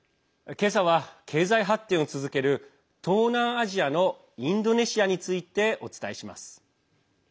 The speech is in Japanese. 今朝は経済発展を続ける東南アジアのインドネシアについてお伝えします。